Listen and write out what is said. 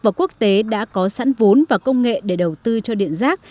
và quốc tế đã có sẵn vốn và công nghệ để đầu tư cho điện rác